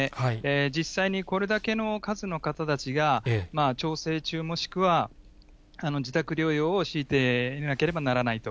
実際に、これだけの数の方たちが、調整中もしくは自宅療養を強いていなければならないと。